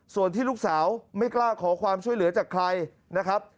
ส่วนที่ลูกสาวไม่กล้าขอความช่วยเหลือจากใครนะครับ